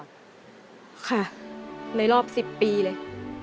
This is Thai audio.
ค่ะในรอบ๑๐ปีเลย